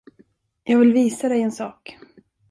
Jag vill visa dig en sak.